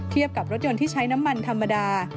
กับรถยนต์ที่ใช้น้ำมันธรรมดา